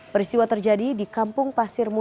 peristiwa terjadi di kampung pasir muda